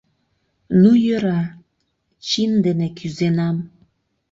Ну, йӧра, чин дене кӱзенам...